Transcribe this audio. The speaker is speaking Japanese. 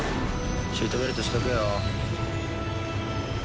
シートベルトしとけよ。